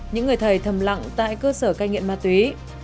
những người thầy thầm lặng tại cơ sở cai nghiện ma túy